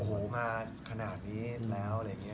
โอ้โหมาขนาดนี้แล้วอะไรอย่างนี้